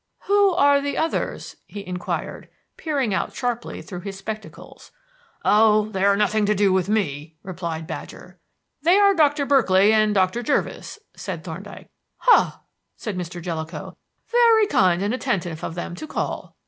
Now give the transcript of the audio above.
"Who are the others?" he inquired, peering out sharply through his spectacles. "Oh, they are nothing to do with me," replied Badger. "They are Doctor Berkeley and Doctor Jervis," said Thorndyke. "Ha!" said Mr. Jellicoe; "very kind and attentive of them to call.